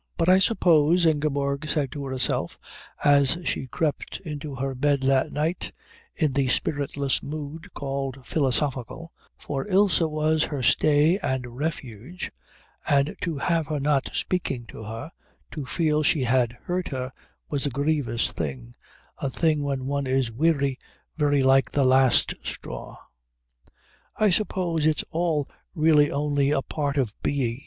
"But I suppose," Ingeborg said to herself as she crept into her bed that night in the spiritless mood called philosophical, for Ilse was her stay and refuge, and to have her not speaking to her, to feel she had hurt her, was a grievous thing, a thing when one is weary very like the last straw "I suppose it's all really only a part of B.